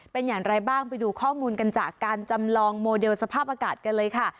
เป็นอย่างไรบ้างไปดูข้อมูลกันจากการจำลองโมเดลสภาพอากาศกันเลยค่ะ